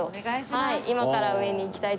はい。